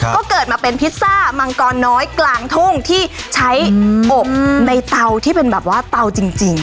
ก็เกิดมาเป็นพิซซ่ามังกรน้อยกลางทุ่งที่ใช้อบในเตาที่เป็นแบบว่าเตาจริง